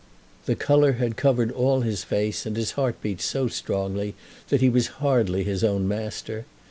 The colour had covered all his face, and his heart beat so strongly that he was hardly his own master.